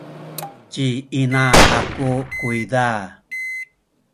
ci ina aku kuyza